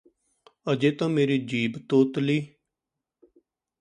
ਅਜੇ ਤਾਂ ਮੇਰੀ ਜੀਭ ਤੋਤਲੀ